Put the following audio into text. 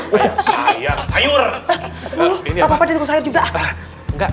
kata janin dari ampun sayang